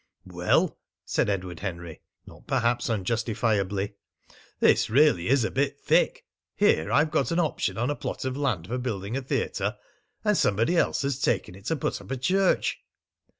"Well," said Edward Henry, not perhaps unjustifiably, "this really is a bit thick! Here I've got an option on a plot of land for building a theatre, and somebody else has taken it to put up a church!"